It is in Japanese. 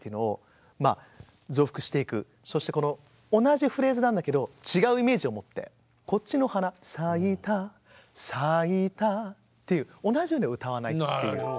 そして同じフレーズなんだけど違うイメージを持ってこっちの花「さいたさいた」っていう同じように歌わないっていう。